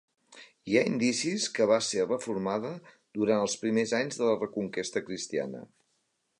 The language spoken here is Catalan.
Hi ha indicis que va ser reformada durant els primers anys de la Reconquesta cristiana.